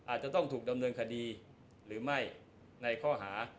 อาจจะต้องถูกดำเนินคดีหรือไม่ในข้อหา